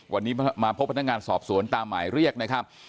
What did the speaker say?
วันนี้มาพบพนักงานสอบสวนตามหมายเรียกนะครับ